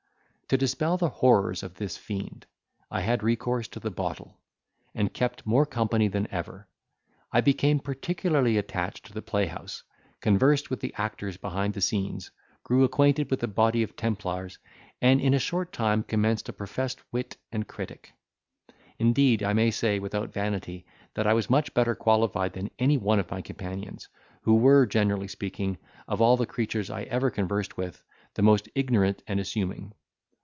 To dispel the horrors of this fiend I had recourse to the bottle, and kept more company than ever. I became particularly attached to the playhouse, conversed with the actors behind the scenes, grew acquainted with a body of templars, and in a short time commenced a professed wit and critic. Indeed, I may say, without vanity, that I was much better qualified than any one of my companions, who were, generally speaking, of all the creatures I ever conversed with, the most ignorant and assuming.